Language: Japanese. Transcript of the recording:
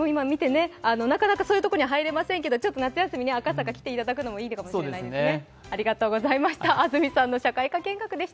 今見て、なかなかそういうことには入れませんけれども、ちょっと夏休み、赤坂に来ていただくのもいいかもしれませんね。